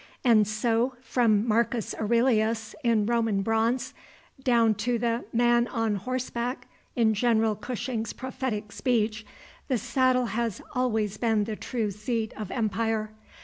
And so, from Marcus Aurelius in Roman bronze, down to the "man on horseback" in General Cushing's prophetic speech, the saddle has always been the true seat of empire.